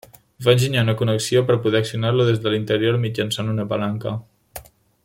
Va enginyar una connexió per poder accionar-lo des de l'interior mitjançant una palanca.